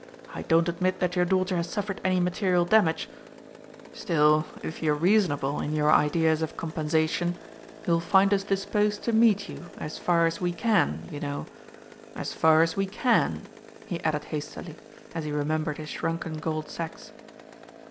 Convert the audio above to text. I don't admit that your daughter has suffered any material damage still, if you're reasonable in your ideas of compensation, you'll find us disposed to meet you as far as we can, you know, as far as we can," he added hastily, as he remembered his shrunken gold sacks.